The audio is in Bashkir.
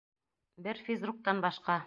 Бер физруктан башҡа.